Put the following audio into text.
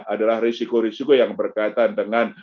adalah risiko risiko yang berkaitan dengan